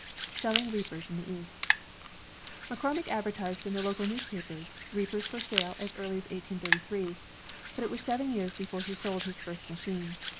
Selling Reapers in the East McCormick advertised in the local newspaper, reapers for sale, as early as 1833. But it was seven years before he sold his first machine.